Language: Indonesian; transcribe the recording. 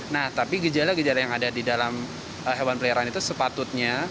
nah tapi gejala gejala yang ada di dalam hewan peliharaan itu sepatutnya